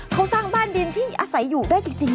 เขาสร้างบ้านดินที่อาศัยอยู่ได้จริง